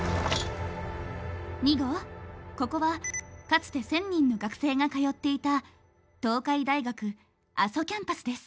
２号ここはかつて１，０００人の学生が通っていた東海大学阿蘇キャンパスです。